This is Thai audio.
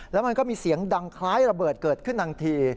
แล้วมันก็มีเสียงดังคล้ายระเบิดเกิดขึ้นทันที